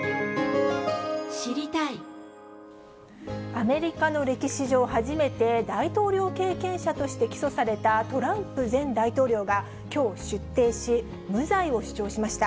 アメリカの歴史上初めて大統領経験者として起訴されたトランプ前大統領が、きょう出廷し、無罪を主張しました。